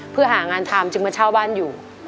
เพื่อหางานทำจึงมาเช่าบ้านอยู่